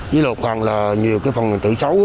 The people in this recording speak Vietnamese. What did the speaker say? với lột hoàng là nhiều cái phần tử xấu